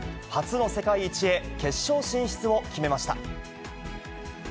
初の世界一へ決勝進出を決めました。